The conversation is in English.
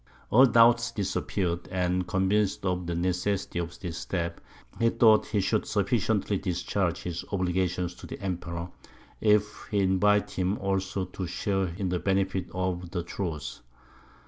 All doubts disappeared; and, convinced of the necessity of this step, he thought he should sufficiently discharge his obligations to the Emperor, if he invited him also to share in the benefit of the truce.